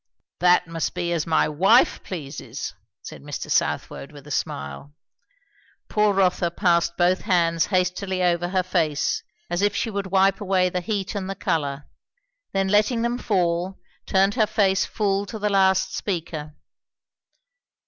"That must be as my wife pleases," said Mr. Southwode with a smile. Poor Rotha passed both hands hastily over her face, as if she would wipe away the heat and the colour; then letting them fall, turned her face full to the last speaker.